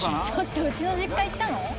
ちょっとうちの実家行ったの？